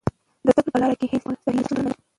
د زده کړې په لار کې هېڅ ډول ستړیا شتون نه لري.